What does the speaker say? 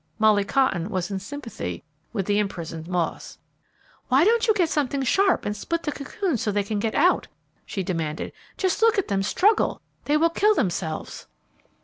Molly Cotton was in sympathy with the imprisoned moths. "Why don't you get something sharp, and split the cocoons so they can get out?" she demanded. "Just look at them struggle! They will kill themselves!"